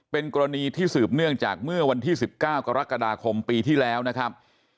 เป็นกรณีที่สืบเนื่องจากเมื่อวันที่๑๙กรกฎาคมปีที่แล้วนะครับ